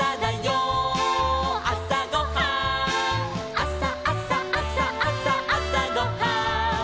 「あさあさあさあさあさごはん」